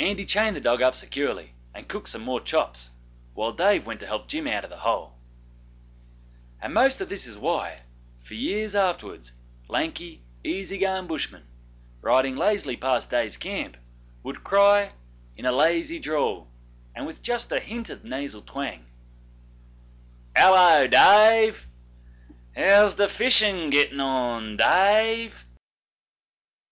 Andy chained the dog up securely, and cooked some more chops, while Dave went to help Jim out of the hole. And most of this is why, for years afterwards, lanky, easy going Bushmen, riding lazily past Dave's camp, would cry, in a lazy drawl and with just a hint of the nasal twang ''El lo, Da a ve! How's the fishin' getting on, Da a ve?